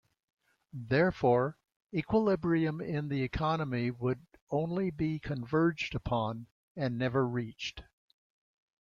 Therefore, equilibrium in the economy would only be converged upon and never reached.